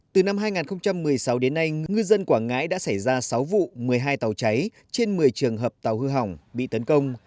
từ năm hai nghìn một mươi sáu đến nay ngư dân quảng ngãi đã xảy ra sáu vụ một mươi hai tàu cháy trên một mươi trường hợp tàu hư hỏng bị tấn công